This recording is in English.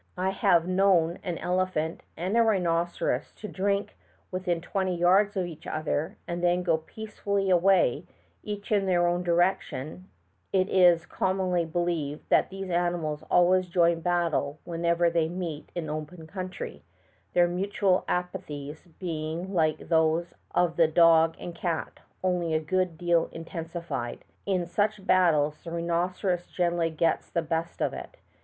I have known an elephant and a rhinoceros to drink within twenty yards of each other and then go peaceably away, each in his own direction; it is commonly believed that these animals always join battle whenever they meet in open country, their mutual antipathies being like those of the dog and cat, only a good deal intensified. In such battles the rhinoceros generally gets the best of it.